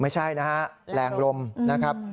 ไม่ใช่นะฮะแรงลมนะครับ